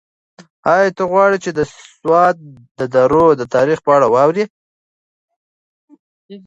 ایا ته غواړې چې د سوات د درو د تاریخ په اړه واورې؟